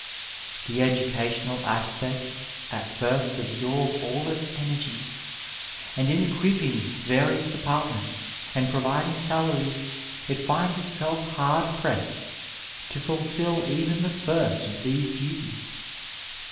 The educational aspects at first absorb all its energies, and in equipping various departments and pro viding salaries, it finds itself hard pressed to fulfil even the first of these duties.